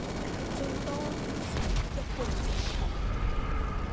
但最多只是一半正確